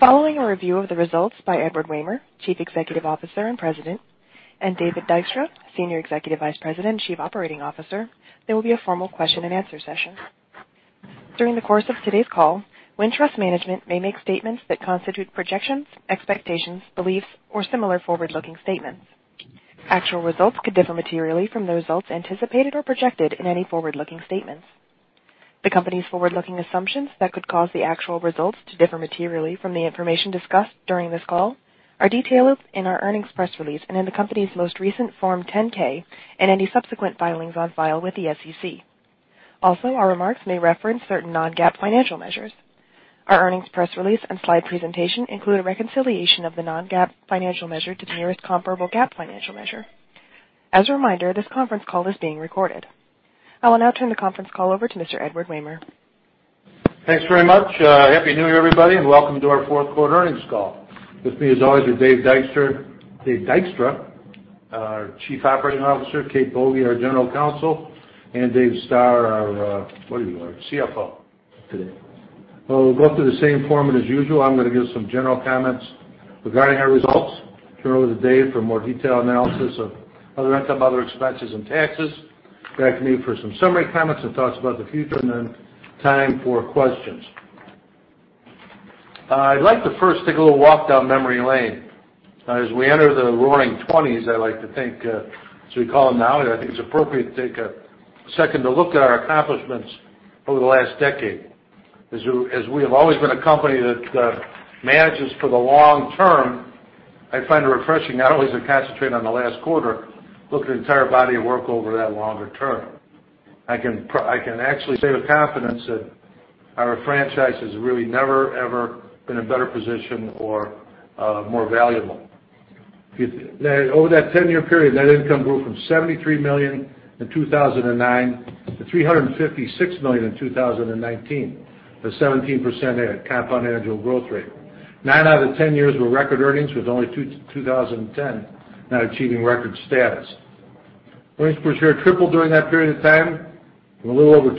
Following a review of the results by Edward Wehmer, Chief Executive Officer and President, and David Dykstra, Senior Executive Vice President and Chief Operating Officer, there will be a formal question and answer session. During the course of today's call, Wintrust Management may make statements that constitute projections, expectations, beliefs, or similar forward-looking statements. Actual results could differ materially from the results anticipated or projected in any forward-looking statements. The company's forward-looking assumptions that could cause the actual results to differ materially from the information discussed during this call are detailed in our earnings press release and in the company's most recent Form 10-K and any subsequent filings on file with the SEC. Also, our remarks may reference certain non-GAAP financial measures. Our earnings press release and slide presentation include a reconciliation of the non-GAAP financial measure to the nearest comparable GAAP financial measure. As a reminder, this conference call is being recorded. I will now turn the conference call over to Mr. Edward Wehmer. Thanks very much. Happy New Year, everybody, and welcome to our fourth quarter earnings call. With me, as always, are Dave Dykstra, our Chief Operating Officer, Kate Boege, our General Counsel, and Dave Stoehr, our CFO today. We'll go through the same format as usual. I'm going to give some general comments regarding our results. Turn it over to Dave for a more detailed analysis of net income, other expenses, and taxes. Back to me for some summary comments and thoughts about the future, and then time for questions. I'd like to first take a little walk down memory lane. As we enter the Roaring '20s, I like to think, as we call them now, I think it's appropriate to take a second to look at our accomplishments over the last decade. As we have always been a company that manages for the long term, I find it refreshing not only to concentrate on the last quarter, look at the entire body of work over that longer term. I can actually say with confidence that our franchise has really never, ever been in a better position or more valuable. Over that 10-year period, net income grew from $73 million in 2009 to $356 million in 2019, a 17% compound annual growth rate. Nine out of 10 years were record earnings, with only 2010 not achieving record status. Earnings per share tripled during that period of time, from a little over $2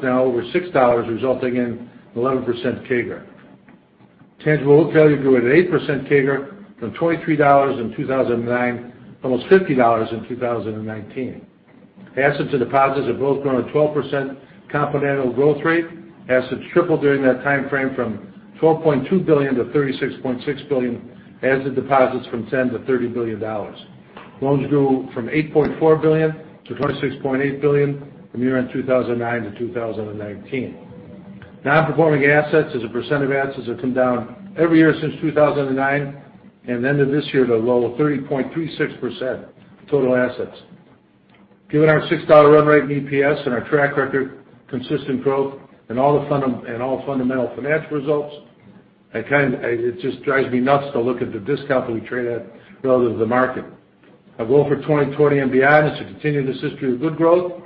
to now over $6, resulting in 11% CAGR. Tangible book value grew at an 8% CAGR from $23 in 2009 to almost $50 in 2019. Assets and deposits have both grown at 12% compound annual growth rate. Assets tripled during that timeframe from $12.2 billion-$36.6 billion, as did deposits from $10 billion-$30 billion. Loans grew from $8.4 billion-$26.8 billion from year-end 2009 to 2019. Non-performing assets as a percent of assets have come down every year since 2009, and ended this year at a low of 30.36% total assets. Given our $6 run rate in EPS and our track record of consistent growth and all the fundamental financial results, it just drives me nuts to look at the discount that we trade at relative to the market. Our goal for 2020 and beyond is to continue this history of good growth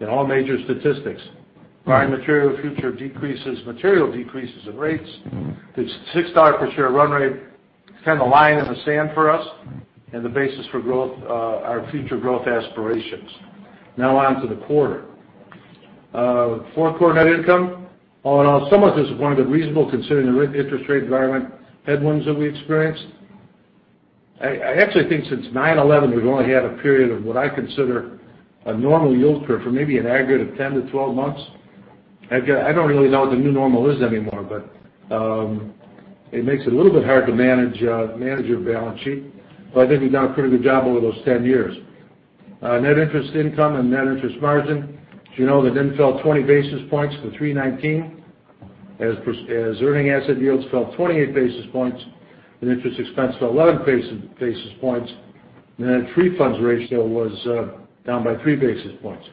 in all major statistics. Barring material decreases in rates, the $6 per share run rate is kind of a line in the sand for us and the basis for our future growth aspirations. Now on to the quarter. Fourth quarter net income, all in all, somewhat disappointed but reasonable considering the interest rate environment headwinds that we experienced. I actually think since 9/11, we've only had a period of what I consider a normal yield curve for maybe an aggregate of 10 to 12 months. I don't really know what the new normal is anymore, but it makes it a little bit hard to manage your balance sheet, but I think we've done a pretty good job over those 10 years. Net interest income and net interest margin. As you know, the NIM fell 20 basis points to 3.19%. As earning asset yields fell 28 basis points and interest expense fell 11 basis points. Net free funds ratio was down by three basis points.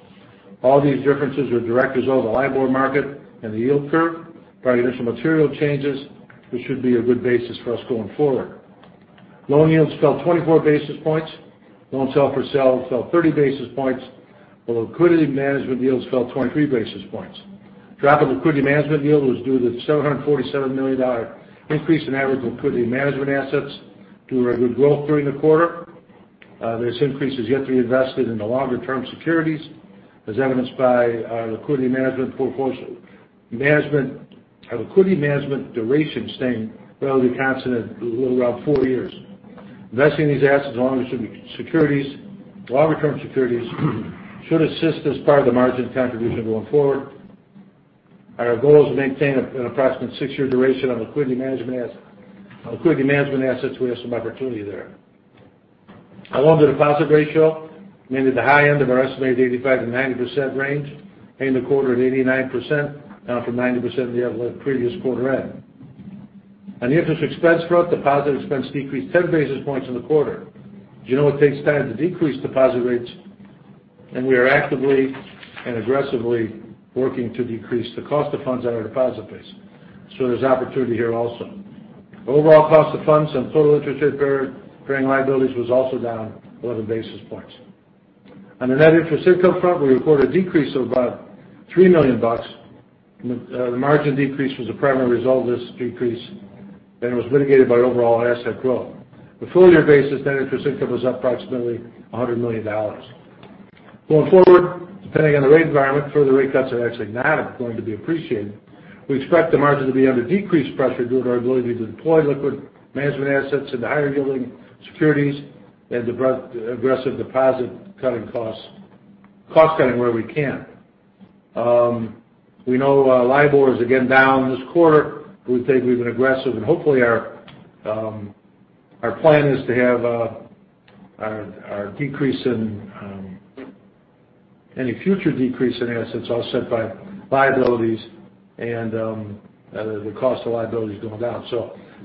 All these differences were direct result of the LIBOR market and the yield curve, barring additional material changes, which should be a good basis for us going forward. Loan yields fell 24 basis points. Loans held for sale fell 30 basis points, while liquidity management yields fell 23 basis points. Drop in liquidity management yield was due to the $747 million increase in average liquidity management assets due to very good growth during the quarter. This increase is yet to be invested in the longer-term securities, as evidenced by our liquidity management duration staying relatively constant at a little around four years. Investing these assets in longer-term securities should assist as part of the margin contribution going forward. Our goal is to maintain an approximate six-year duration on liquidity management assets. We have some opportunity there. Our loan-to-deposit ratio remained at the high end of our estimated 85%-90% range, ending the quarter at 89%, down from 90% at the previous quarter end. On the interest expense front, deposit expense decreased 10 basis points in the quarter. As you know, it takes time to decrease deposit rates, and we are actively and aggressively working to decrease the cost of funds on our deposit base. There's opportunity here also. Overall cost of funds and total interest rate bearing liabilities was also down 11 basis points. On the net interest income front, we reported a decrease of about $3 million. The margin decrease was the primary result of this decrease, and it was mitigated by overall asset growth. Full year basis, net interest income was up approximately $100 million. Going forward, depending on the rate environment, further rate cuts are actually not going to be appreciated. We expect the margin to be under decreased pressure due to our ability to deploy liquid management assets into higher yielding securities and aggressive deposit cost-cutting where we can. We know LIBOR is again down this quarter. We think we've been aggressive, and hopefully, our plan is to have any future decrease in assets offset by liabilities and the cost of liabilities going down.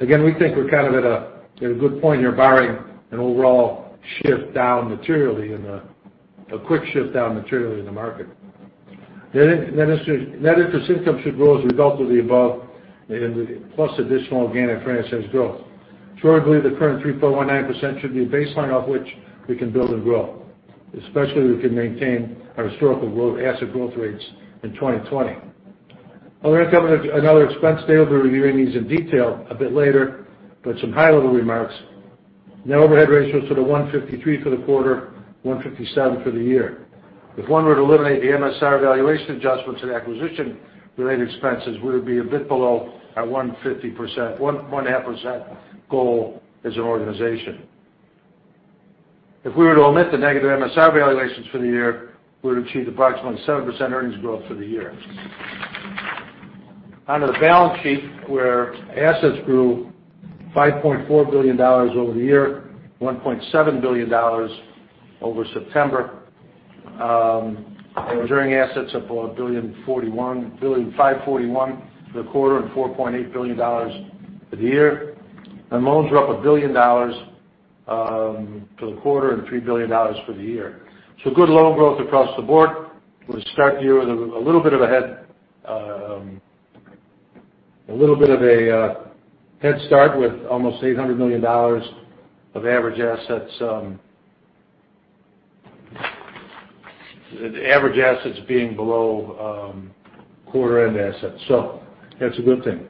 Again, we think we're kind of at a good point here barring an overall shift down materially, a quick shift down materially in the market. Net interest income should grow as a result of the above and plus additional organic franchise growth. I believe the current 3.19% should be a baseline off which we can build and grow, especially if we can maintain our historical asset growth rates in 2020. I'll cover another expense. Dave will be reviewing these in detail a bit later, but some high-level remarks. Net overhead ratio is sort of 1.53% for the quarter, 1.57% for the year. If one were to eliminate the MSR valuation adjustments and acquisition-related expenses, we would be a bit below our 1.5% goal as an organization. If we were to omit the negative MSR valuations for the year, we would achieve approximately 7% earnings growth for the year. Onto the balance sheet where assets grew $5.4 billion over the year, $1.7 billion over September. Our earning assets are $1.541 billion for the quarter and $4.8 billion for the year. Loans are up $1 billion for the quarter and $3 billion for the year. Good loan growth across the board. We start the year with a little bit of a head start with almost $800 million of average assets, average assets being below quarter-end assets. That's a good thing.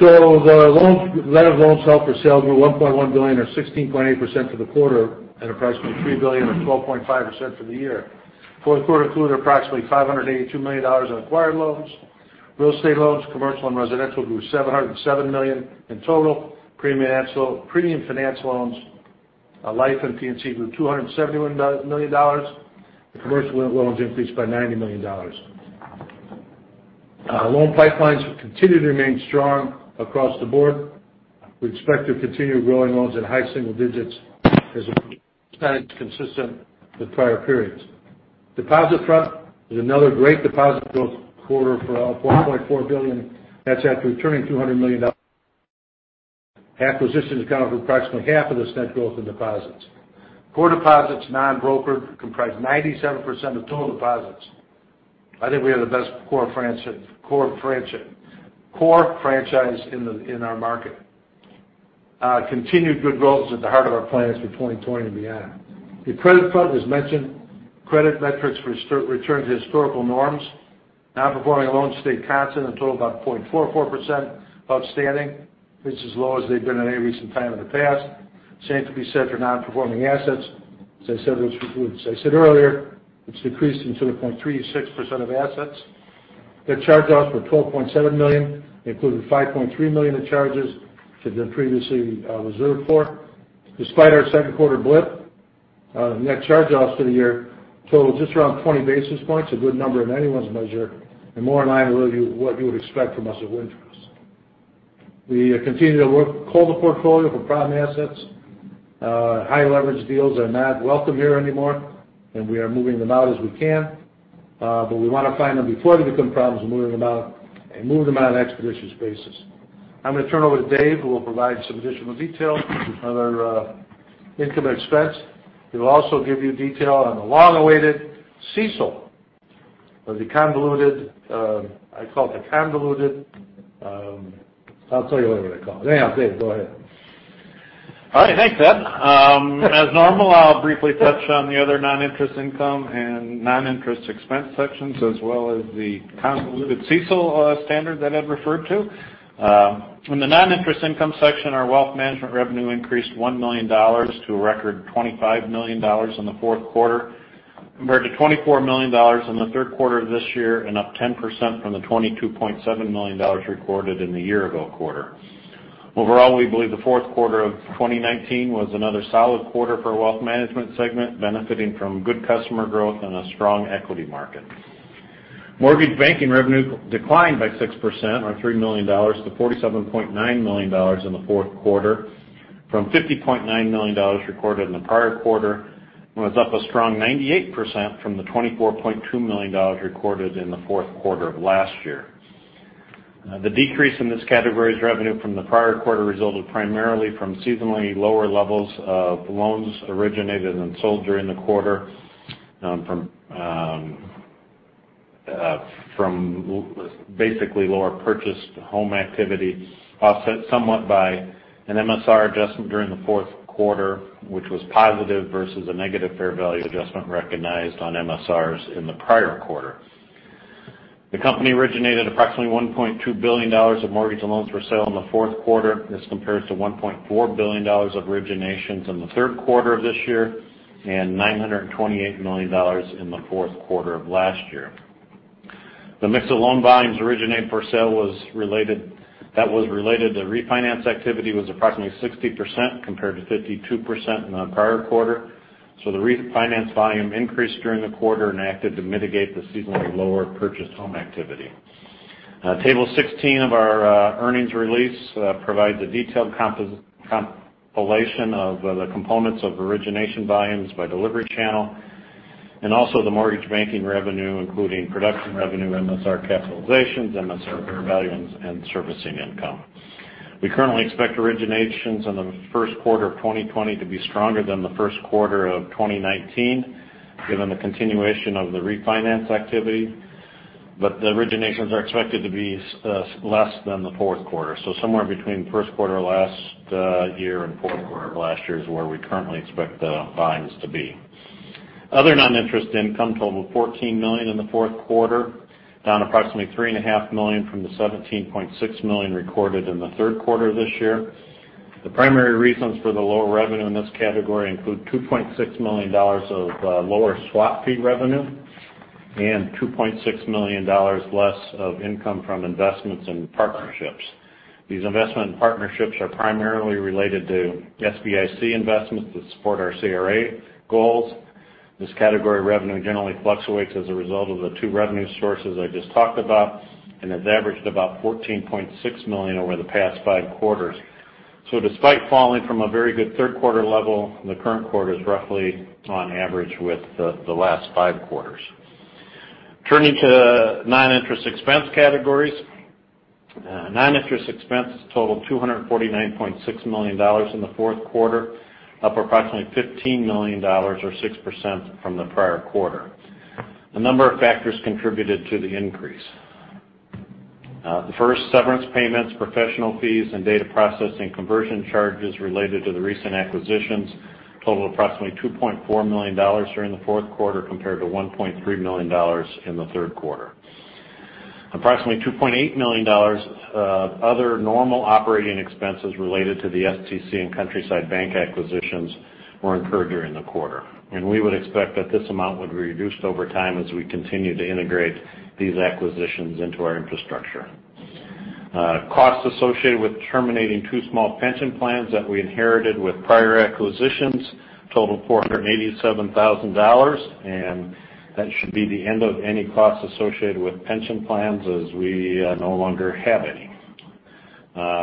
The letter, loans held for sale grew $1.1 billion or 16.8% for the quarter at approximately $3 billion or 12.5% for the year. Fourth quarter included approximately $582 million of acquired loans. Real estate loans, commercial and residential, grew $707 million in total. Premium finance loans, life and P&C, grew $271 million. The commercial loans increased by $90 million. Loan pipelines continue to remain strong across the board. We expect to continue growing loans in high single digits as consistent with prior periods. Deposit front is another great deposit growth quarter for our $4.4 billion. That's after returning $200 million. Acquisitions account for approximately half of this net growth in deposits. Core deposits, non-brokered comprise 97% of total deposits. I think we have the best core franchise in our market. Continued good growth is at the heart of our plans for 2020 and beyond. The credit front, as mentioned, credit metrics returned to historical norms. Non-performing loans stayed constant at a total of about 0.44% outstanding, which is as low as they've been at any recent time in the past. Same could be said for non-performing assets. As I said earlier, it's decreased to the 0.36% of assets. The charge-offs were $12.7 million. They included $5.3 million in charges to the previously reserved for. Despite our second quarter blip, net charge-offs for the year totaled just around 20 basis points, a good number in anyone's measure, and more in line with what you would expect from us at Wintrust. We continue to comb the portfolio for problem assets. High leverage deals are not welcome here anymore, and we are moving them out as we can. We want to find them before they become problems and move them out on an expeditious basis. I'm going to turn over to Dave, who will provide some additional detail on our income expense. He'll also give you detail on the long-awaited CECL, or the convoluted, I call it the convoluted I'll tell you later what I call it. Anyhow, Dave, go ahead. All right. Thanks, Ed. As normal, I'll briefly touch on the other non-interest income and non-interest expense sections, as well as the convoluted CECL standard that Ed referred to. In the non-interest income section, our wealth management revenue increased $1 million to a record $25 million in the fourth quarter, compared to $24 million in the third quarter of this year, and up 10% from the $22.7 million recorded in the year ago quarter. Overall, we believe the fourth quarter of 2019 was another solid quarter for wealth management segment, benefiting from good customer growth and a strong equity market. Mortgage banking revenue declined by 6%, or $3 million, to $47.9 million in the fourth quarter from $50.9 million recorded in the prior quarter, and was up a strong 98% from the $24.2 million recorded in the fourth quarter of last year. The decrease in this category's revenue from the prior quarter resulted primarily from seasonally lower levels of loans originated and sold during the quarter from basically lower purchased home activity, offset somewhat by an MSR adjustment during the fourth quarter, which was positive versus a negative fair value adjustment recognized on MSRs in the prior quarter. The company originated approximately $1.2 billion of mortgage loans for sale in the fourth quarter. This compares to $1.4 billion of originations in the third quarter of this year, and $928 million in the fourth quarter of last year. The mix of loan volumes originated for sale was related to refinance activity was approximately 60%, compared to 52% in the prior quarter. The refinance volume increased during the quarter and acted to mitigate the seasonally lower purchased home activity. Table 16 of our earnings release provides a detailed compilation of the components of origination volumes by delivery channel, and also the mortgage banking revenue, including production revenue, MSR capitalizations, MSR revaluations, and servicing income. We currently expect originations in the first quarter of 2020 to be stronger than the first quarter of 2019, given the continuation of the refinance activity. The originations are expected to be less than the fourth quarter. Somewhere between first quarter last year and fourth quarter of last year is where we currently expect the volumes to be. Other non-interest income totaled $14 million in the fourth quarter, down approximately $3.5 million from the $17.6 million recorded in the third quarter of this year. The primary reasons for the lower revenue in this category include $2.6 million of lower swap fee revenue and $2.6 million less of income from investments in partnerships. These investment partnerships are primarily related to SBIC investments that support our CRA goals. This category revenue generally fluctuates as a result of the two revenue sources I just talked about, and has averaged about $14.6 million over the past five quarters. Despite falling from a very good third quarter level, the current quarter is roughly on average with the last five quarters. Turning to non-interest expense categories. Non-interest expenses totaled $249.6 million in the fourth quarter, up approximately $15 million or 6% from the prior quarter. A number of factors contributed to the increase. The first, severance payments, professional fees, and data processing conversion charges related to the recent acquisitions totaled approximately $2.4 million during the fourth quarter, compared to $1.3 million in the third quarter. Approximately $2.8 million other normal operating expenses related to the STC and Countryside Bank acquisitions were incurred during the quarter. We would expect that this amount would reduce over time as we continue to integrate these acquisitions into our infrastructure. Costs associated with terminating two small pension plans that we inherited with prior acquisitions totaled $487,000, and that should be the end of any costs associated with pension plans, as we no longer have any.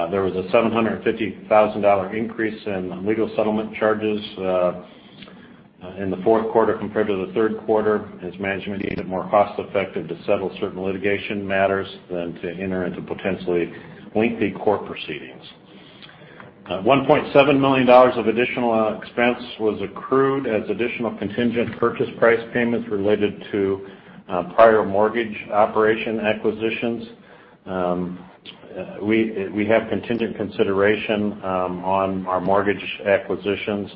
There was a $750,000 increase in legal settlement charges in the fourth quarter compared to the third quarter, as management deemed it more cost effective to settle certain litigation matters than to enter into potentially lengthy court proceedings. $1.7 million of additional expense was accrued as additional contingent purchase price payments related to prior mortgage operation acquisitions. We have contingent consideration on our mortgage acquisitions,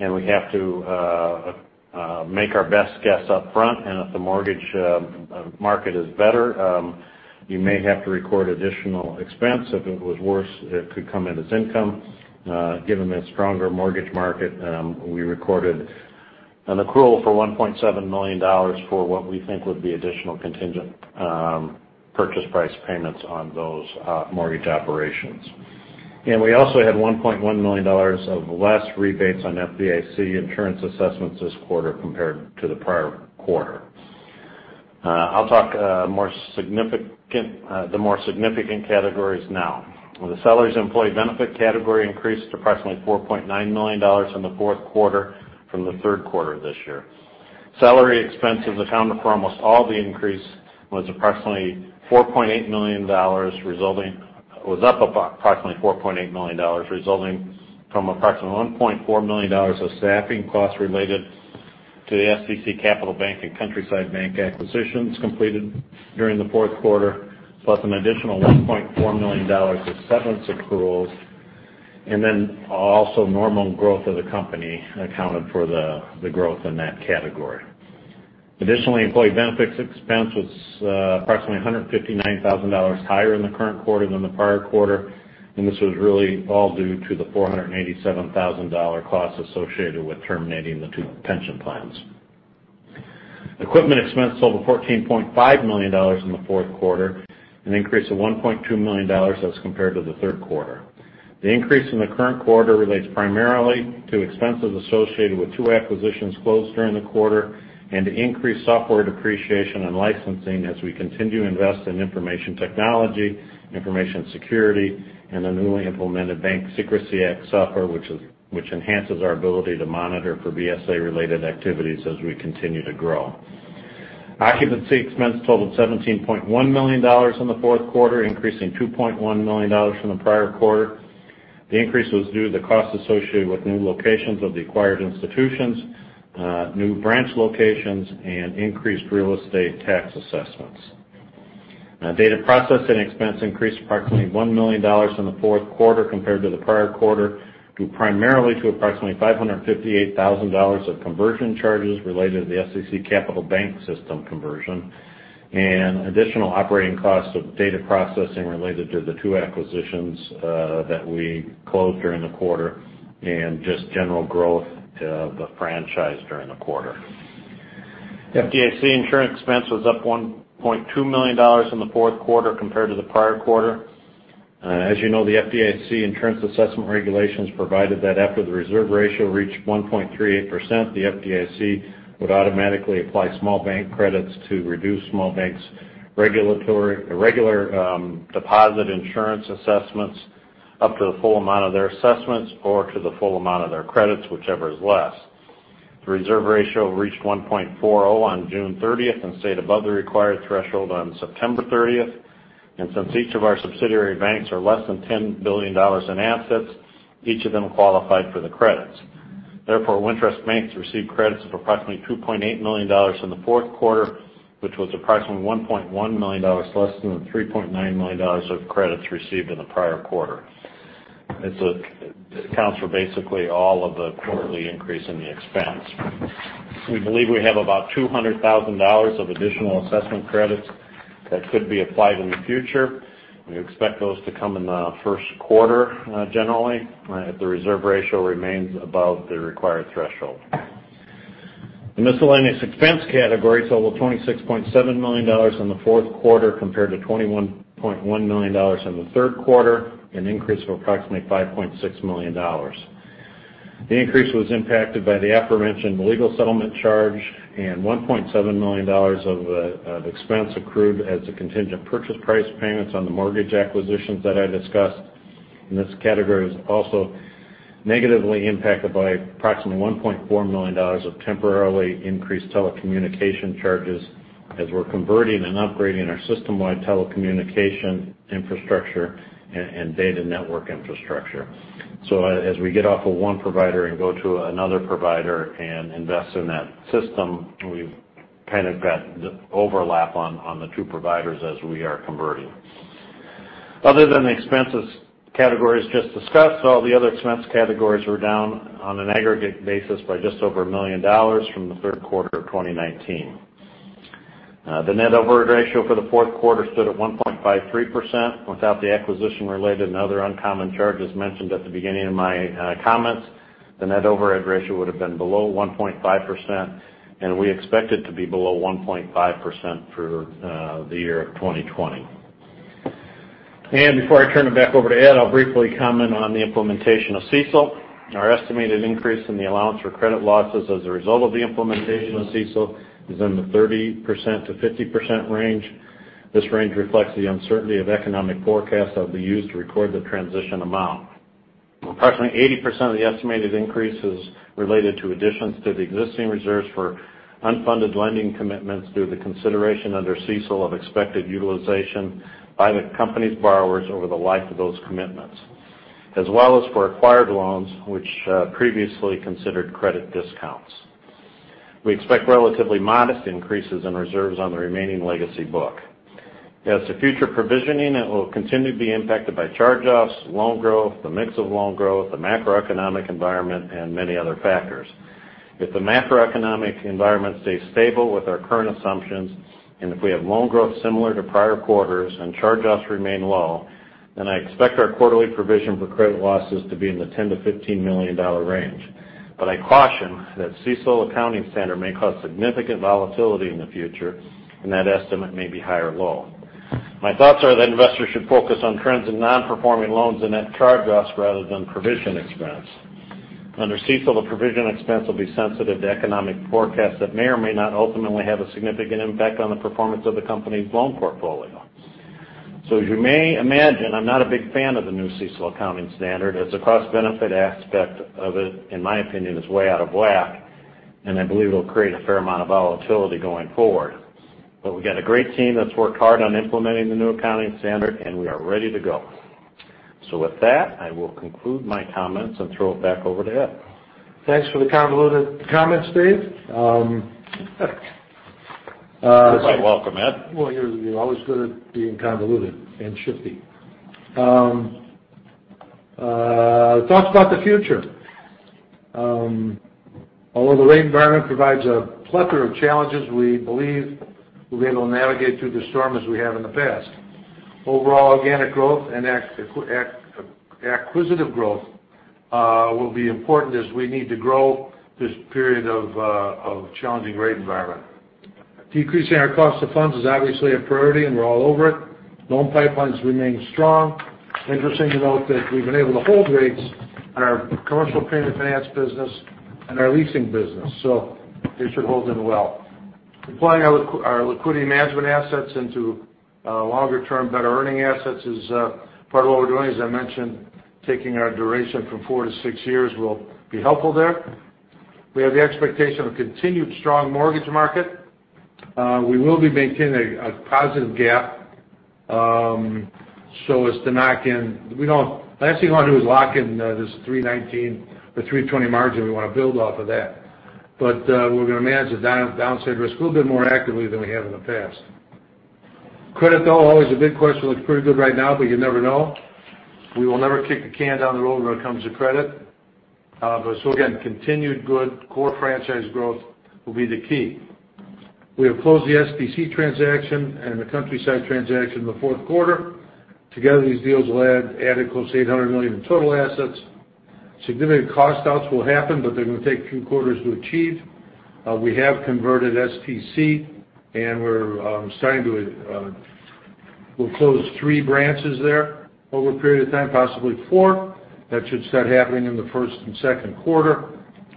and we have to make our best guess up front. If the mortgage market is better, you may have to record additional expense. If it was worse, it could come in as income. Given a stronger mortgage market, we recorded an accrual for $1.7 million for what we think would be additional contingent purchase price payments on those mortgage operations. We also had $1.1 million of less rebates on FDIC insurance assessments this quarter compared to the prior quarter. I'll talk the more significant categories now. The salaries employee benefit category increased approximately $4.9 million in the fourth quarter from the third quarter of this year. Salary expense is accounted for almost all the increase was up approximately $4.8 million, resulting from approximately $1.4 million of staffing costs related to the STC Capital Bank and Countryside Bank acquisitions completed during the fourth quarter, plus an additional $1.4 million of severance accruals, and then also normal growth of the company accounted for the growth in that category. Additionally, employee benefits expense was approximately $159,000 higher in the current quarter than the prior quarter, and this was really all due to the $487,000 cost associated with terminating the two pension plans. Equipment expense totaled $14.5 million in the fourth quarter, an increase of $1.2 million as compared to the third quarter. The increase in the current quarter relates primarily to expenses associated with two acquisitions closed during the quarter and increased software depreciation and licensing as we continue to invest in information technology, information security, and the newly implemented Bank Secrecy Act software, which enhances our ability to monitor for BSA-related activities as we continue to grow. Occupancy expense totaled $17.1 million in the fourth quarter, increasing $2.1 million from the prior quarter. The increase was due to costs associated with new locations of the acquired institutions, new branch locations, and increased real estate tax assessments. Data processing expense increased approximately $1 million in the fourth quarter compared to the prior quarter, due primarily to approximately $558,000 of conversion charges related to the STC Capital Bank system conversion and additional operating costs of data processing related to the two acquisitions that we closed during the quarter, and just general growth of the franchise during the quarter. FDIC insurance expense was up $1.2 million in the fourth quarter compared to the prior quarter. As you know, the FDIC insurance assessment regulations provided that after the reserve ratio reached 1.38%, the FDIC would automatically apply small bank credits to reduce small banks' regular deposit insurance assessments up to the full amount of their assessments or to the full amount of their credits, whichever is less. The reserve ratio reached 1.40 on June 30th and stayed above the required threshold on September 30th. Since each of our subsidiary banks are less than $10 billion in assets, each of them qualified for the credits. Therefore, Wintrust banks received credits of approximately $2.8 million in the fourth quarter, which was approximately $1.1 million less than the $3.9 million of credits received in the prior quarter. It accounts for basically all of the quarterly increase in the expense. We believe we have about $200,000 of additional assessment credits that could be applied in the future. We expect those to come in the first quarter, generally, if the reserve ratio remains above the required threshold. The miscellaneous expense category totaled $26.7 million in the fourth quarter, compared to $21.1 million in the third quarter, an increase of approximately $5.6 million. The increase was impacted by the aforementioned legal settlement charge and $1.7 million of expense accrued as the contingent purchase price payments on the mortgage acquisitions that I discussed. This category was also negatively impacted by approximately $1.4 million of temporarily increased telecommunication charges as we're converting and upgrading our system-wide telecommunication infrastructure and data network infrastructure. As we get off of one provider and go to another provider and invest in that system, we've kind of got the overlap on the two providers as we are converting. Other than the expenses categories just discussed, all the other expense categories were down on an aggregate basis by just over $1 million from the third quarter of 2019. The net overhead ratio for the fourth quarter stood at 1.53%. Without the acquisition-related and other uncommon charges mentioned at the beginning of my comments, the net overhead ratio would've been below 1.5%, and we expect it to be below 1.5% for the year of 2020. Before I turn it back over to Ed, I'll briefly comment on the implementation of CECL. Our estimated increase in the allowance for credit losses as a result of the implementation of CECL is in the 30%-50% range. This range reflects the uncertainty of economic forecasts that will be used to record the transition amount. Approximately 80% of the estimated increase is related to additions to the existing reserves for unfunded lending commitments due to consideration under CECL of expected utilization by the company's borrowers over the life of those commitments, as well as for acquired loans, which previously considered credit discounts. We expect relatively modest increases in reserves on the remaining legacy book. As to future provisioning, it will continue to be impacted by charge-offs, loan growth, the mix of loan growth, the macroeconomic environment, and many other factors. If the macroeconomic environment stays stable with our current assumptions, and if we have loan growth similar to prior quarters and charge-offs remain low, I expect our quarterly provision for credit losses to be in the $10 million-$15 million range. I caution that CECL accounting standard may cause significant volatility in the future, and that estimate may be high or low. My thoughts are that investors should focus on trends in non-performing loans and net charge-offs rather than provision expense. Under CECL, the provision expense will be sensitive to economic forecasts that may or may not ultimately have a significant impact on the performance of the company's loan portfolio. As you may imagine, I'm not a big fan of the new CECL accounting standard, as the cost-benefit aspect of it, in my opinion, is way out of whack, and I believe it'll create a fair amount of volatility going forward. We've got a great team that's worked hard on implementing the new accounting standard, and we are ready to go. With that, I will conclude my comments and throw it back over to Ed. Thanks for the convoluted comments, Dave. You're quite welcome, Ed. Well, you're always good at being convoluted and shifty. Thoughts about the future. Although the rate environment provides a plethora of challenges, we believe we'll be able to navigate through the storm as we have in the past. Overall organic growth and acquisitive growth will be important as we need to grow this period of challenging rate environment. Decreasing our cost of funds is obviously a priority, and we're all over it. Loan pipelines remain strong. Interesting to note that we've been able to hold rates on our commercial premium finance business and our leasing business, so they should hold in well. Deploying our liquidity management assets into longer-term, better earning assets is part of what we're doing. As I mentioned, taking our duration from four to six years will be helpful there. We have the expectation of a continued strong mortgage market. We will be maintaining a positive gap. Last thing you want to do is lock in this 3.19% or 3.20% margin. We want to build off of that. We're going to manage the downside risk a little bit more actively than we have in the past. Credit, though, always a big question. Looks pretty good right now, but you never know. We will never kick the can down the road when it comes to credit. Again, continued good core franchise growth will be the key. We have closed the STC transaction and the Countryside transaction in the fourth quarter. Together, these deals will add close to $800 million in total assets. Significant cost outs will happen, but they're going to take a few quarters to achieve. We have converted STC, and we'll close three branches there over a period of time, possibly four. That should start happening in the first and second quarter.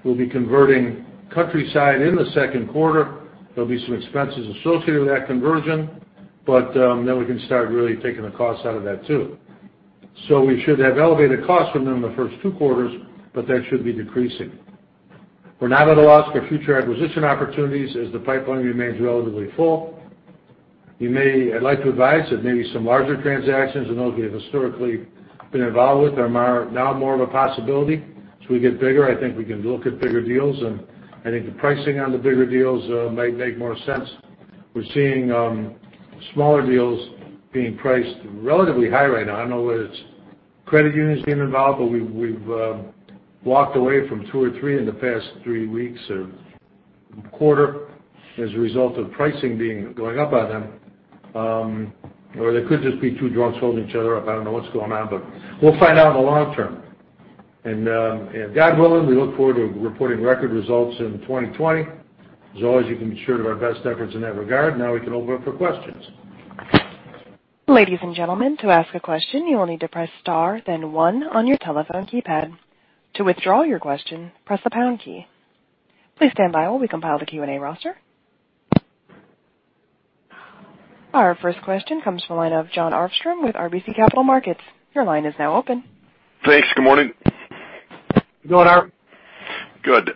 We'll be converting Countryside in the second quarter. There'll be some expenses associated with that conversion. We can start really taking the cost out of that, too. We should have elevated costs within the first two quarters, but that should be decreasing. We're not at a loss for future acquisition opportunities as the pipeline remains relatively full. I'd like to advise that maybe some larger transactions than those we have historically been involved with are now more of a possibility. As we get bigger, I think we can look at bigger deals, and I think the pricing on the bigger deals might make more sense. We're seeing smaller deals being priced relatively high right now. I don't know whether it's credit unions being involved, but we've walked away from two or three in the past three weeks or quarter as a result of pricing going up on them. They could just be two drunks holding each other up. I don't know what's going on, but we'll find out in the long term. God willing, we look forward to reporting record results in 2020. As always, you can be sure of our best efforts in that regard. Now we can open it up for questions. Ladies and gentlemen, to ask a question, you will need to press star, then one on your telephone keypad. To withdraw your question, press the pound key. Please stand by while we compile the Q&A roster. Our first question comes from the line of Jon Arfstrom with RBC Capital Markets. Your line is now open. Thanks. Good morning. Good morning, Jon. Good.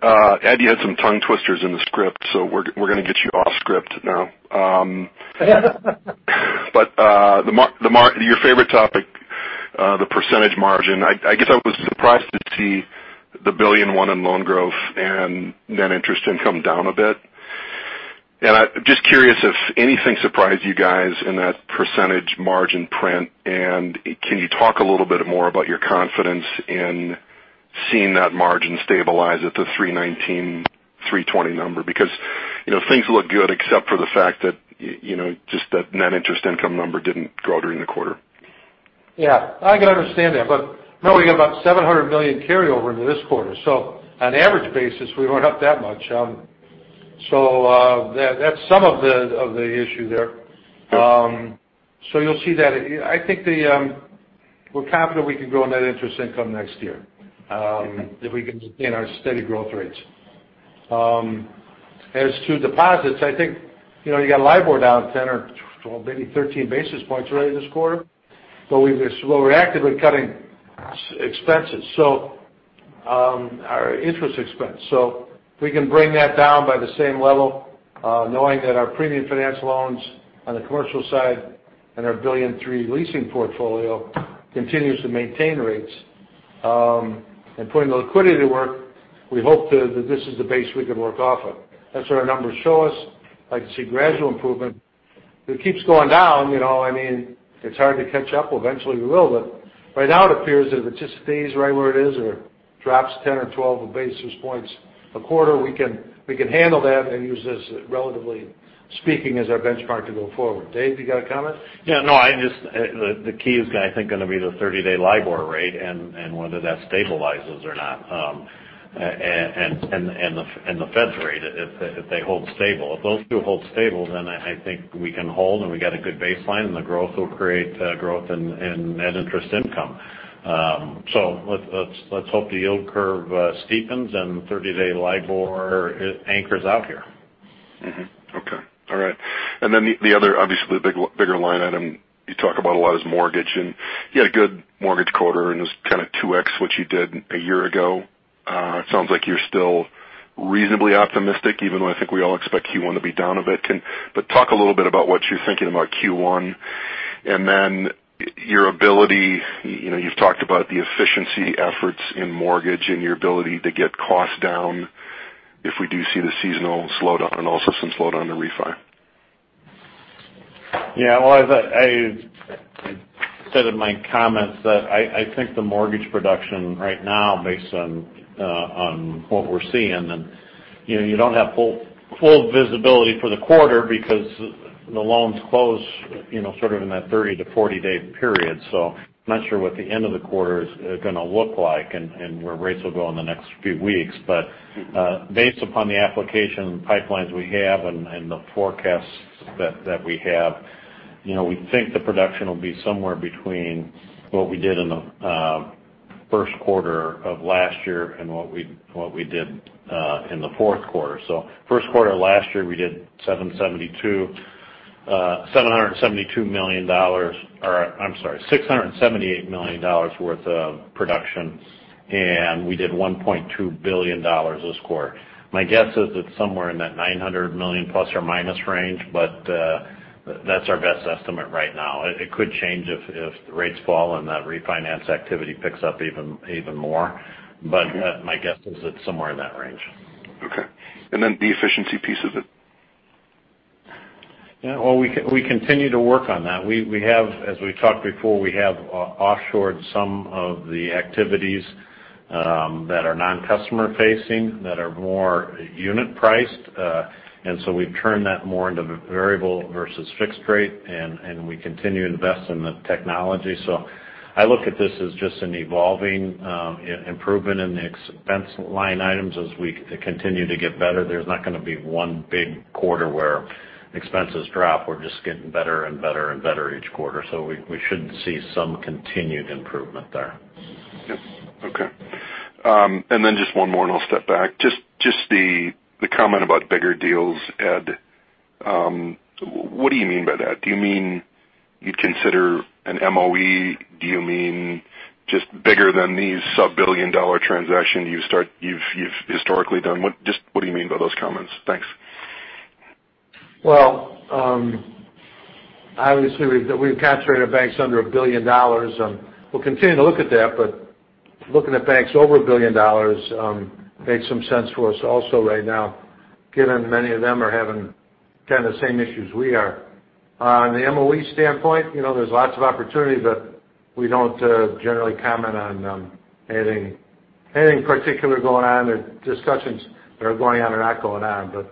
Ed, you had some tongue twisters in the script, so we're going to get you off script now. Your favorite topic, the percentage margin, I guess I was surprised to see the $1.01 billion in loan growth and net interest income down a bit. I'm just curious if anything surprised you guys in that percentage margin print, and can you talk a little bit more about your confidence in seeing that margin stabilize at the 319, 320 number? Things look good except for the fact that just that net interest income number didn't grow during the quarter. I can understand that. Remember we got about $700 million carryover into this quarter. On average basis, we weren't up that much. That's some of the issue there. You'll see that. I think we're confident we can grow net interest income next year. If we can maintain our steady growth rates. As to deposits, I think you got LIBOR down 10 or 12, maybe 13 basis points already this quarter. We're actively cutting expenses, our interest expense. If we can bring that down by the same level, knowing that our premium finance loans on the commercial side and our $1.3 billion leasing portfolio continues to maintain rates, and putting the liquidity to work, we hope that this is the base we could work off of. That's what our numbers show us. I can see gradual improvement. If it keeps going down, it's hard to catch up. Eventually, we will. Right now, it appears if it just stays right where it is or drops 10 or 12 basis points a quarter, we can handle that and use this, relatively speaking, as our benchmark to go forward. Dave, you got a comment? Yeah. No. The key is, I think, going to be the 30-day LIBOR rate and whether that stabilizes or not, and the Fed's rate, if they hold stable. If those two hold stable, then I think we can hold, and we got a good baseline, and the growth will create growth in net interest income. Let's hope the yield curve steepens and the 30-day LIBOR anchors out here. Okay. All right. The other, obviously, the bigger line item you talk about a lot is mortgage. You had a good mortgage quarter and it was kind of 2x what you did a year ago. It sounds like you're still reasonably optimistic, even though I think we all expect Q1 to be down a bit. Talk a little bit about what you're thinking about Q1 and then your ability. You've talked about the efficiency efforts in mortgage and your ability to get costs down if we do see the seasonal slowdown and also some slowdown in refi. Yeah. Well, as I said in my comments, I think the mortgage production right now based on what we're seeing, and you don't have full visibility for the quarter because the loans close sort of in that 30-40 day period. I'm not sure what the end of the quarter is going to look like and where rates will go in the next few weeks. Based upon the application pipelines we have and the forecasts that we have, we think the production will be somewhere between what we did in the first quarter of last year and what we did in the fourth quarter. First quarter last year, we did $772 million. I'm sorry, $678 million worth of production. We did $1.2 billion this quarter. My guess is it's somewhere in that ±$900 million range. That's our best estimate right now. It could change if the rates fall and that refinance activity picks up even more. My guess is it's somewhere in that range. Okay. The efficiency piece of it. Yeah. Well, we continue to work on that. As we've talked before, we have offshored some of the activities that are non-customer facing, that are more unit priced. We've turned that more into variable versus fixed rate, and we continue to invest in the technology. I look at this as just an evolving improvement in the expense line items as we continue to get better. There's not going to be one big quarter where expenses drop. We're just getting better and better each quarter. We should see some continued improvement there. Yes. Okay. Just one more and I'll step back. Just the comment about bigger deals, Ed. What do you mean by that? Do you mean you'd consider an MOE? Do you mean just bigger than these sub-billion dollar transaction you've historically done? Just what do you mean by those comments? Thanks. Obviously, we've concentrated our banks under $1 billion. We'll continue to look at that. Looking at banks over $1 billion makes some sense for us also right now, given many of them are having kind of the same issues we are. On the MOE standpoint, there's lots of opportunity. We don't generally comment on anything particular going on or discussions that are going on or not going on.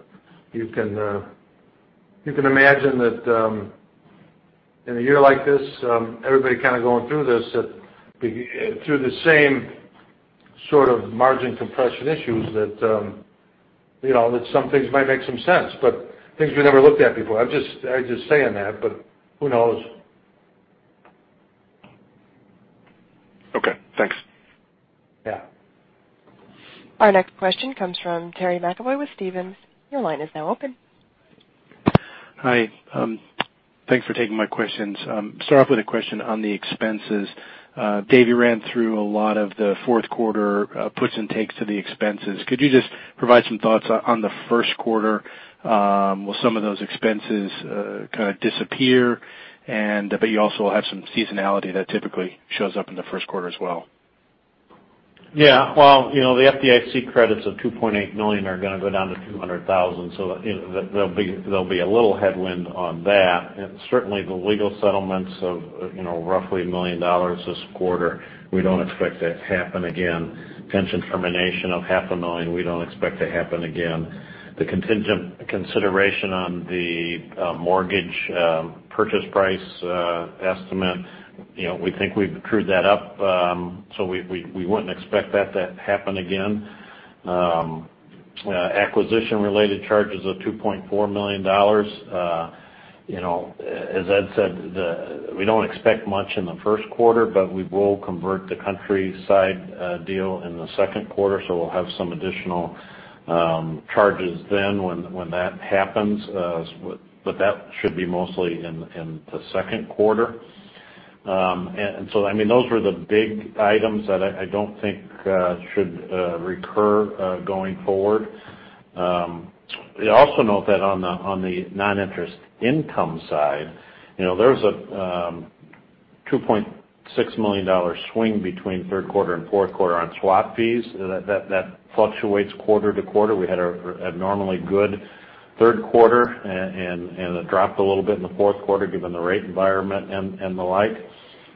You can imagine that in a year like this, everybody kind of going through this, through the same sort of margin compression issues that some things might make some sense, but things we never looked at before. I'm just saying that. Who knows? Okay. Thanks. Yeah. Our next question comes from Terry McEvoy with Stephens. Your line is now open. Hi. Thanks for taking my questions. Start off with a question on the expenses. Dave, you ran through a lot of the fourth quarter puts and takes to the expenses. Could you just provide some thoughts on the first quarter? Will some of those expenses kind of disappear, but you also have some seasonality that typically shows up in the first quarter as well? Well, the FDIC credits of $2.8 million are going to go down to $200,000. There'll be a little headwind on that. Certainly the legal settlements of roughly $1 million this quarter, we don't expect that to happen again. Pension termination of half a million, we don't expect to happen again. The contingent consideration on the mortgage purchase price estimate, we think we've accrued that up, so we wouldn't expect that to happen again. Acquisition related charges of $2.4 million. As Ed said, we don't expect much in the first quarter, but we will convert the Countryside deal in the second quarter, so we'll have some additional charges then when that happens. That should be mostly in the second quarter. Those were the big items that I don't think should recur going forward. I also note that on the non-interest income side, there's a $2.6 million swing between third quarter and fourth quarter on swap fees. That fluctuates quarter to quarter. We had an abnormally good third quarter, and it dropped a little bit in the fourth quarter given the rate environment and the like.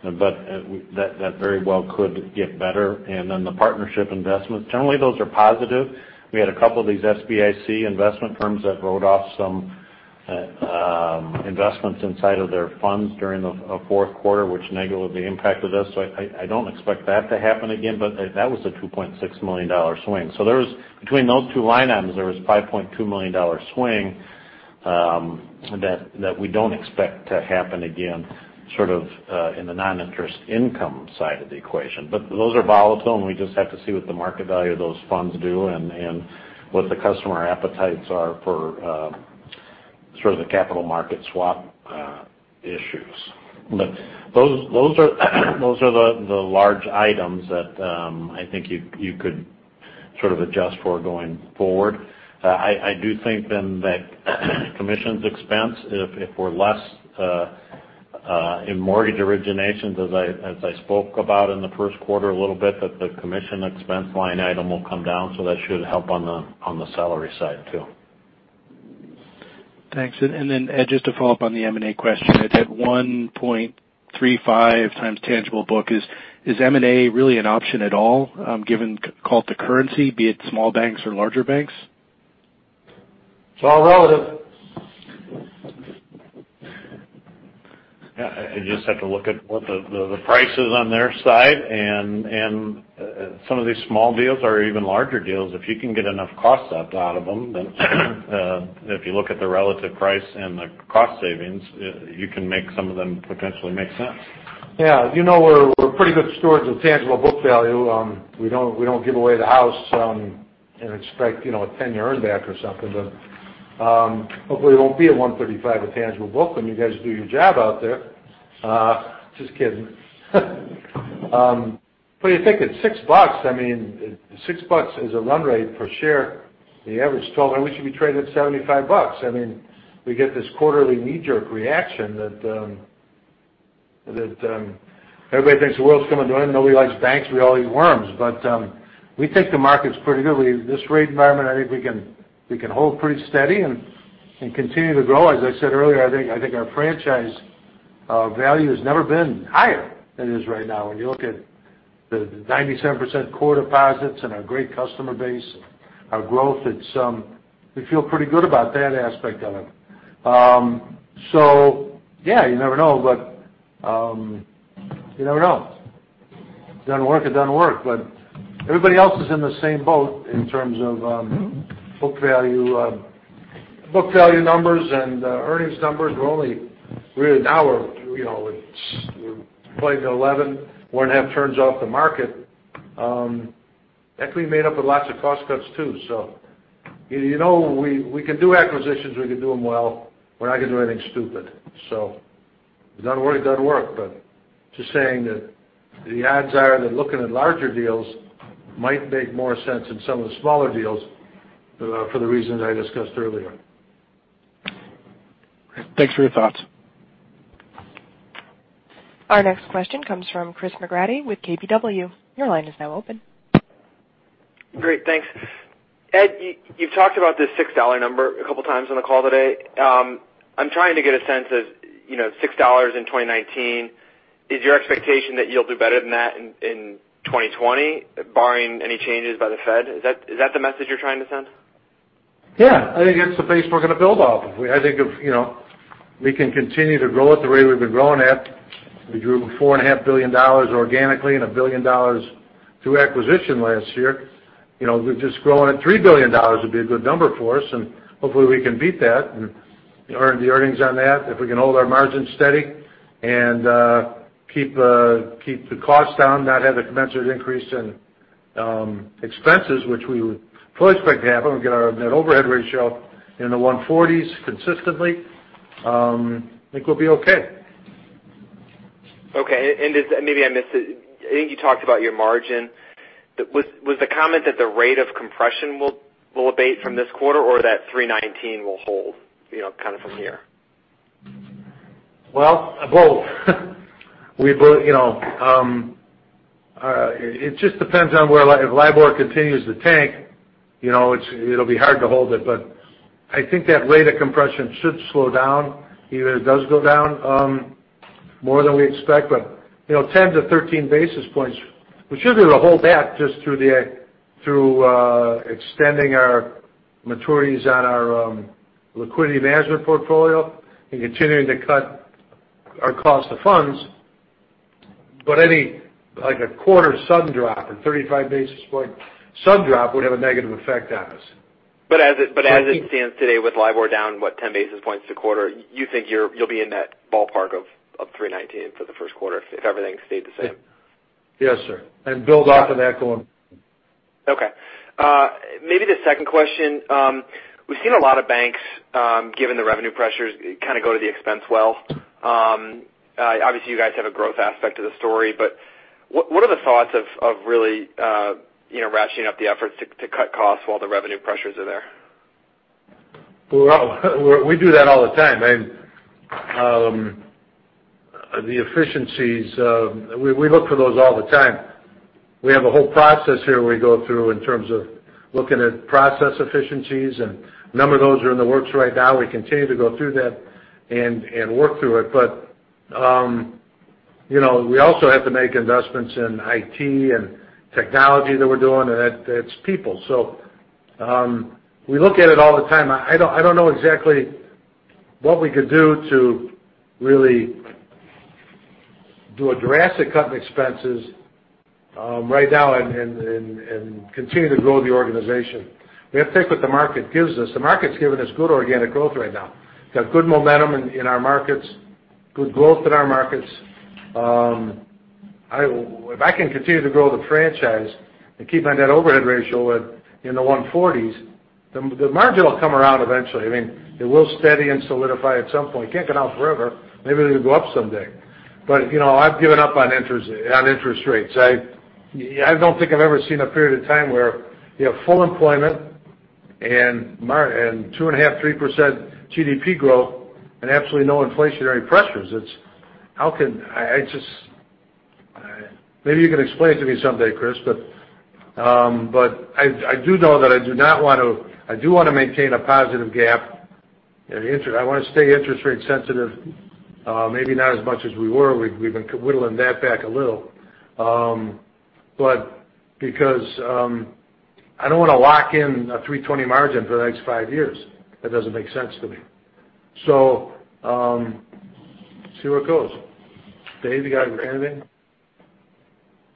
That very well could get better. Then the partnership investments, generally those are positive. We had a couple of these SBIC investment firms that wrote off some investments inside of their funds during the fourth quarter, which negatively impacted us. I don't expect that to happen again, but that was a $2.6 million swing. Between those two line items, there was $5.2 million swing that we don't expect to happen again sort of in the non-interest income side of the equation. Those are volatile, and we just have to see what the market value of those funds do and what the customer appetites are for sort of the capital market swap issues. Those are the large items that I think you could sort of adjust for going forward. I do think then that commissions expense, if we're less in mortgage originations as I spoke about in the first quarter a little bit, that the commission expense line item will come down. That should help on the salary side too. Thanks. Ed, just to follow up on the M&A question. At 1.35x tangible book, is M&A really an option at all given cost of currency, be it small banks or larger banks? It's all relative. Yeah. You just have to look at what the price is on their side and some of these small deals or even larger deals. If you can get enough cost out of them, then if you look at the relative price and the cost savings, you can make some of them potentially make sense. Yeah. We're pretty good stewards of tangible book value. We don't give away the house and expect a 10-year earn back or something. Hopefully it won't be at 135 of tangible book when you guys do your job out there. Just kidding. You think at $6, I mean, $6 is a run rate per share. The average 12, we should be trading at $75. I mean, we get this quarterly knee-jerk reaction that everybody thinks the world's coming to an end. Nobody likes banks. We all eat worms. We think the market's pretty good. This rate environment, I think we can hold pretty steady and continue to grow. As I said earlier, I think our franchise value has never been higher than it is right now. When you look at the 97% core deposits and our great customer base, our growth, we feel pretty good about that aspect of it. Yeah, you never know. If it doesn't work, it doesn't work, but everybody else is in the same boat in terms of book value numbers and earnings numbers are only really now we're playing to 11, one and a half turns off the market, actually made up of lots of cost cuts, too. We can do acquisitions, we can do them well. We're not going to do anything stupid. If it doesn't work, it doesn't work, but just saying that the odds are that looking at larger deals might make more sense than some of the smaller deals for the reasons I discussed earlier. Great. Thanks for your thoughts. Our next question comes from Chris McGratty with KBW. Your line is now open. Great. Thanks. Ed, you've talked about this $6 number a couple times on the call today. I'm trying to get a sense of $6 in 2019. Is your expectation that you'll do better than that in 2020, barring any changes by the Fed? Is that the message you're trying to send? Yeah, I think that's the base we're going to build off of. I think if we can continue to grow at the rate we've been growing at, we grew $4.5 billion organically and $1 billion through acquisition last year. We're just growing at $3 billion would be a good number for us, and hopefully we can beat that and earn the earnings on that. If we can hold our margins steady and keep the costs down, not have a commensurate increase in expenses, which we would fully expect to happen. We get our net overhead ratio in the 1.40s consistently. I think we'll be okay. Okay. Maybe I missed it. I think you talked about your margin. Was the comment that the rate of compression will abate from this quarter or that 319 will hold kind of from here? Well, both. It just depends on where if LIBOR continues to tank, it'll be hard to hold it. I think that rate of compression should slow down. Either it does go down more than we expect, 10-13 basis points, we should be able to hold that just through extending our maturities on our liquidity management portfolio and continuing to cut our cost of funds. Any like a quarter sudden drop, a 35 basis point sudden drop would have a negative effect on us. As it stands today with LIBOR down, what, 10 basis points a quarter, you think you'll be in that ballpark of 319 for the first quarter if everything stayed the same? Yes, sir. Build off of that going forward. Okay. Maybe the second question. We've seen a lot of banks given the revenue pressures kind of go to the expense well. Obviously, you guys have a growth aspect to the story, but what are the thoughts of really ratcheting up the efforts to cut costs while the revenue pressures are there? We do that all the time. The efficiencies, we look for those all the time. We have a whole process here we go through in terms of looking at process efficiencies, and a number of those are in the works right now. We continue to go through that and work through it. We also have to make investments in IT and technology that we're doing, and that's people. We look at it all the time. I don't know exactly what we could do to really do a drastic cut in expenses right now and continue to grow the organization. We have to take what the market gives us. The market's giving us good organic growth right now. We have good momentum in our markets, good growth in our markets. If I can continue to grow the franchise and keep my net overhead ratio in the 140s, the margin will come around eventually. It will steady and solidify at some point. It can't go down forever. Maybe it'll go up someday. I've given up on interest rates. I don't think I've ever seen a period of time where you have full employment and 2.5%, 3% GDP growth and absolutely no inflationary pressures. Maybe you can explain it to me someday, Chris, but I do know that I do want to maintain a positive gap. I want to stay interest rate sensitive. Maybe not as much as we were. We've been whittling that back a little. Because I don't want to lock in a 320 margin for the next five years. That doesn't make sense to me. See where it goes. Dave, you got anything?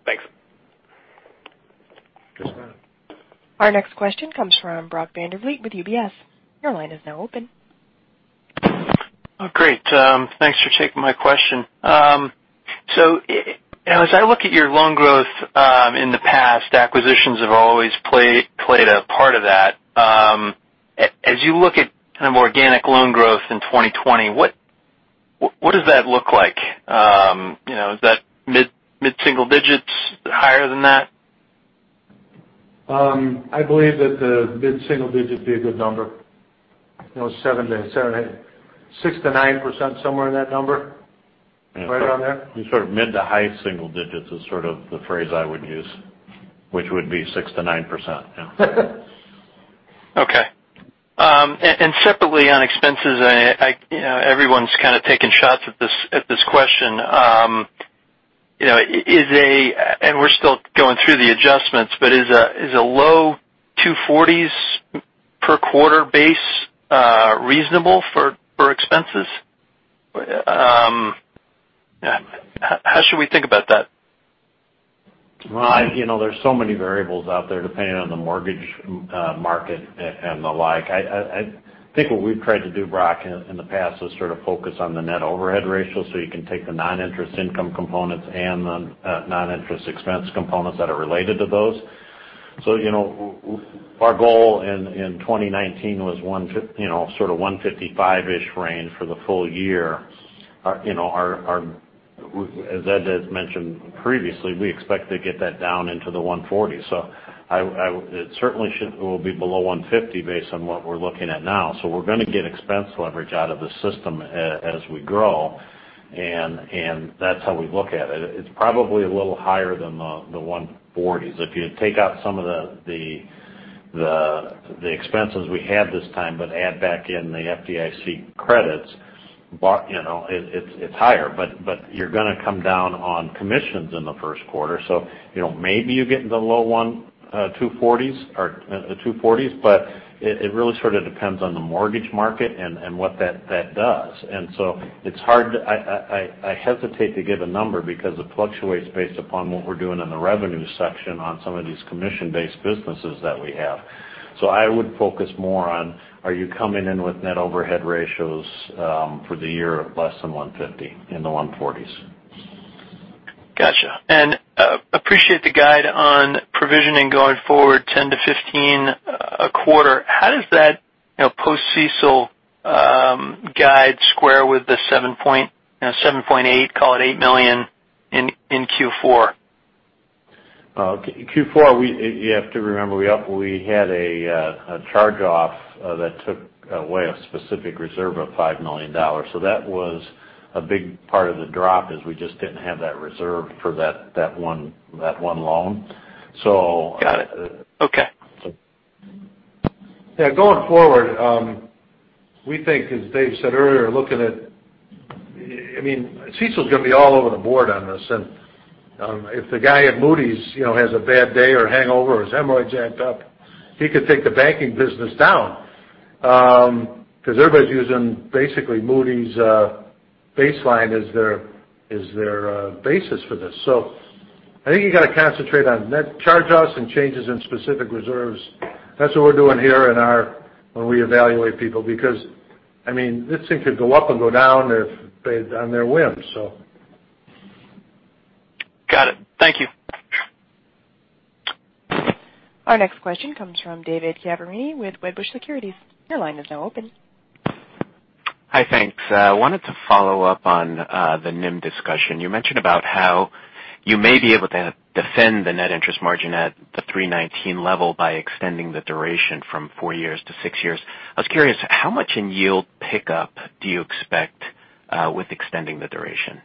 Thanks. Chris out. Our next question comes from Brock Vandervliet with UBS. Your line is now open. Oh, great. Thanks for taking my question. As I look at your loan growth in the past, acquisitions have always played a part of that. As you look at kind of organic loan growth in 2020, what does that look like? Is that mid-single digits? Higher than that? I believe that the mid-single digit would be a good number. 6%-9%, somewhere in that number. Right around there. Sort of mid to high single digits is sort of the phrase I would use, which would be 6%-9%. Yeah. Okay. Separately on expenses, everyone's kind of taking shots at this question. We're still going through the adjustments, but is a low 240s per quarter base reasonable for expenses? How should we think about that? There's so many variables out there depending on the mortgage market and the like. I think what we've tried to do, Brock, in the past is sort of focus on the net overhead ratio so you can take the non-interest income components and the non-interest expense components that are related to those. Our goal in 2019 was sort of 155-ish range for the full year. As Ed has mentioned previously, we expect to get that down into the 140s. It certainly will be below 150 based on what we're looking at now. We're going to get expense leverage out of the system as we grow, and that's how we look at it. It's probably a little higher than the 140s. If you take out some of the expenses we had this time, but add back in the FDIC credits, it's higher. You're going to come down on commissions in the first quarter. Maybe you get into the low 240s, but it really sort of depends on the mortgage market and what that does. I hesitate to give a number because it fluctuates based upon what we're doing in the revenue section on some of these commission-based businesses that we have. I would focus more on, are you coming in with net overhead ratios for the year of less than 150, in the 140s. Got you. Appreciate the guide on provisioning going forward $10 million-$15 million a quarter. How does that post-CECL guide square with the $7.8 million, call it $8 million in Q4? Q4, you have to remember we had a charge-off that took away a specific reserve of $5 million. That was a big part of the drop is we just didn't have that reserve for that one loan. Got it. Okay. Yeah. Going forward, we think as Dave said earlier, CECL's going to be all over the board on this. If the guy at Moody's has a bad day or hangover or his hemorrhoids act up, he could take the banking business down. Because everybody's using basically Moody's baseline as their basis for this. I think you got to concentrate on net charge-offs and changes in specific reserves. That's what we're doing here when we evaluate people because this thing could go up and go down based on their whims. Got it. Thank you. Our next question comes from David Chiaverini with Wedbush Securities. Your line is now open. Hi, thanks. I wanted to follow up on the NIM discussion. You mentioned about how you may be able to defend the net interest margin at the 319 level by extending the duration from four years to six years. I was curious, how much in yield pickup do you expect with extending the duration?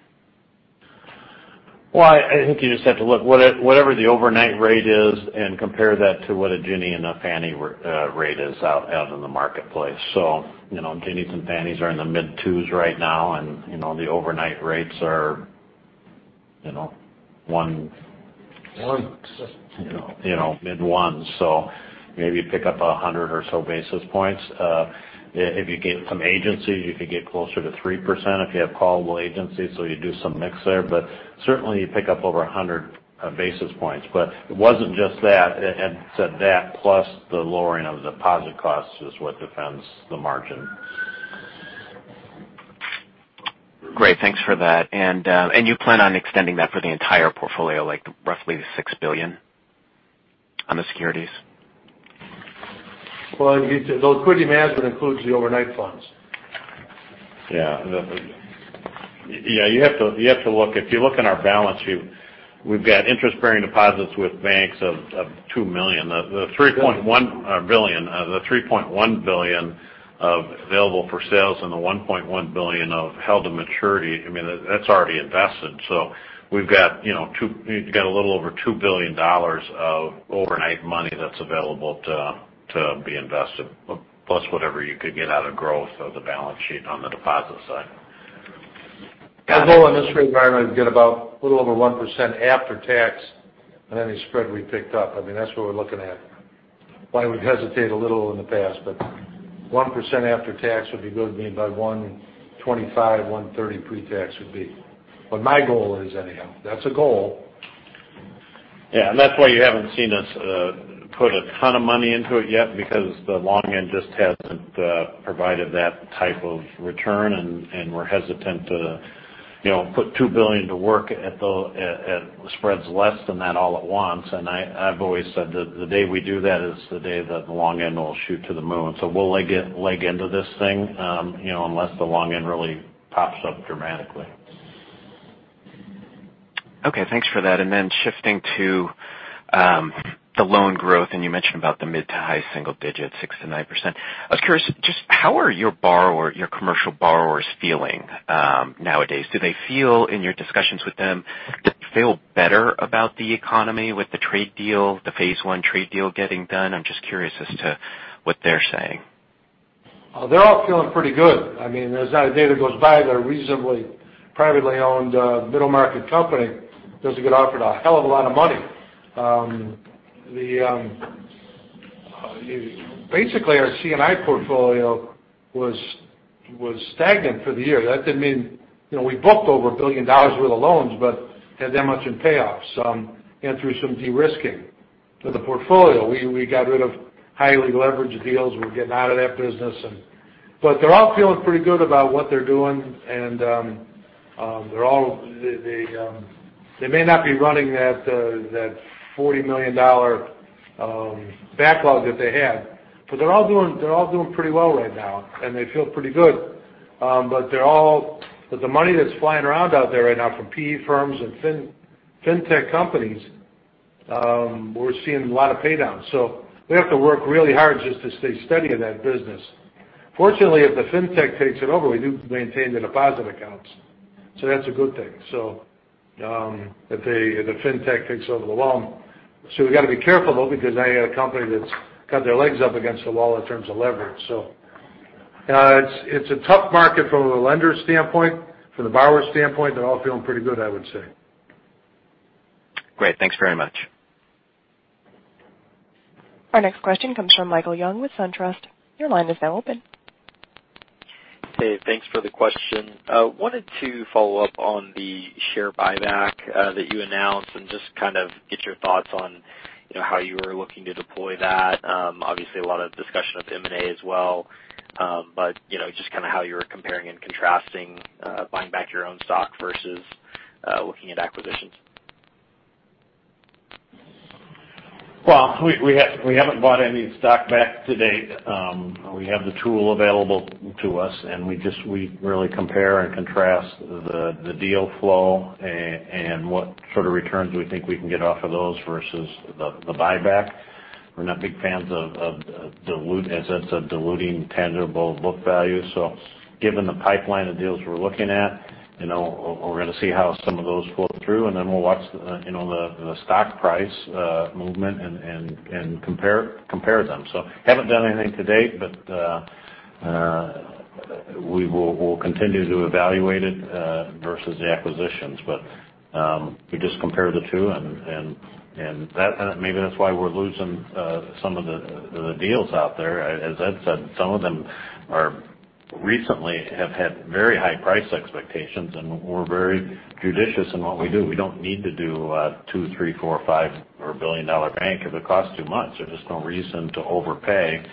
I think you just have to look whatever the overnight rate is and compare that to what a Ginnie and a Fannie rate is out in the marketplace. Ginnies and Fannies are in the mid twos right now, and the overnight rates are mid ones. Maybe you pick up 100 or so basis points. If you get some agency, you could get closer to 3% if you have callable agency, so you do some mix there. Certainly you pick up over 100 basis points. It wasn't just that. It's that plus the lowering of deposit costs is what defends the margin. Great. Thanks for that. You plan on extending that for the entire portfolio, like roughly the $6 billion on the securities? Well, the liquidity management includes the overnight funds. Yeah. You have to look. If you look on our balance sheet, we've got interest-bearing deposits with banks of $2 million. The $3.1 billion available for sales and the $1.1 billion of held to maturity, that's already invested. You got a little over $2 billion of overnight money that's available to be invested, plus whatever you could get out of growth of the balance sheet on the deposit side. Our goal in this rate environment is get about a little over 1% after tax on any spread we picked up. That's what we're looking at. Why we've hesitated a little in the past. 1% after tax would be good. Maybe by 125 basis points, 130 basis points pre-tax would be what my goal is anyhow. That's a goal. Yeah. That's why you haven't seen us put a ton of money into it yet because the long end just hasn't provided that type of return, and we're hesitant to put $2 billion to work at spreads less than that all at once. I've always said that the day we do that is the day that the long end will shoot to the moon. We'll leg into this thing, unless the long end really pops up dramatically. Okay, thanks for that. Shifting to the loan growth, and you mentioned about the mid to high single digit, 6%-9%. I was curious, just how are your commercial borrowers feeling nowadays? Do they feel, in your discussions with them, do they feel better about the economy with the trade deal, the phase one trade deal getting done? I'm just curious as to what they're saying. They're all feeling pretty good. There's not a day that goes by that a reasonably privately owned middle-market company doesn't get offered a hell of a lot of money. Basically, our C&I portfolio was stagnant for the year. We booked over $1 billion worth of loans, but had that much in payoffs, and through some de-risking to the portfolio. We got rid of highly leveraged deals. We're getting out of that business. They're all feeling pretty good about what they're doing, and they may not be running that $40 million backlog that they had. They're all doing pretty well right now, and they feel pretty good. The money that's flying around out there right now from PE firms and fintech companies, we're seeing a lot of pay downs. We have to work really hard just to stay steady in that business. Fortunately, if the fintech takes it over, we do maintain the deposit accounts. That's a good thing, if the fintech takes over the loan. We've got to be careful, though, because now you got a company that's got their legs up against the wall in terms of leverage. It's a tough market from a lender standpoint. From the borrower standpoint, they're all feeling pretty good, I would say. Great. Thanks very much. Our next question comes from Michael Young with SunTrust. Your line is now open. Hey, thanks for the question. I wanted to follow up on the share buyback that you announced and just kind of get your thoughts on how you were looking to deploy that. Obviously, a lot of discussion of M&A as well. Just kind of how you were comparing and contrasting buying back your own stock versus looking at acquisitions. We haven't bought any stock back to date. We have the tool available to us, and we really compare and contrast the deal flow and what sort of returns we think we can get off of those versus the buyback. We're not big fans of diluting tangible book value. Given the pipeline of deals we're looking at, we're going to see how some of those flow through, and then we'll watch the stock price movement and compare them. Haven't done anything to date, but we will continue to evaluate it versus the acquisitions. We just compare the two, and maybe that's why we're losing some of the deals out there. As Ed said, some of them recently have had very high price expectations, and we're very judicious in what we do. We don't need to do a $2 billion, $3 billion, $4 billion, or $5 billion or $1 billion bank if it costs too much. There's just no reason to overpay.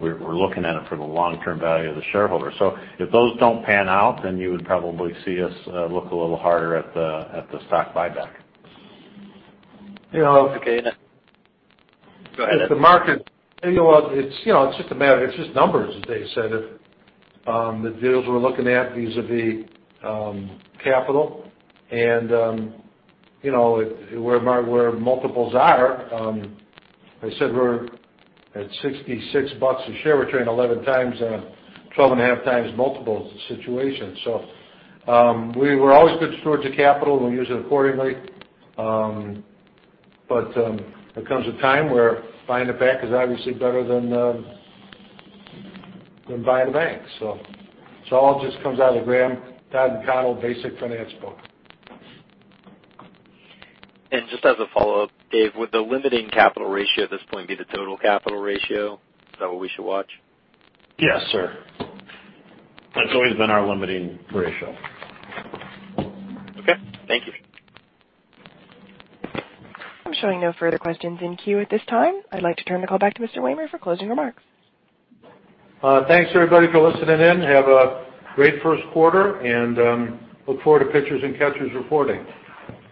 We're looking at it for the long-term value of the shareholder. If those don't pan out, you would probably see us look a little harder at the stock buyback. If the market- Go ahead, Ed. It's just a matter, it's just numbers, as Dave said. If the deals we're looking at vis-a-vis capital and where multiples are. As I said, we're at $66 a share. We're trading 11x on a 12.5x multiple situation. We're always good stewards of capital. We use it accordingly. There comes a time where buying it back is obviously better than buying a bank. It all just comes out of the Graham-Dodd-McConnell basic finance book. Just as a follow-up, Dave, would the limiting capital ratio at this point be the total capital ratio? Is that what we should watch? Yes, sir. That's always been our limiting ratio. Okay. Thank you. I'm showing no further questions in queue at this time. I'd like to turn the call back to Mr. Wehmer for closing remarks. Thanks, everybody, for listening in. Have a great first quarter, and look forward to pitchers and catchers reporting.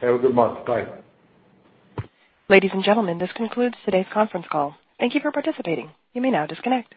Have a good month. Bye. Ladies and gentlemen, this concludes today's conference call. Thank you for participating. You may now disconnect.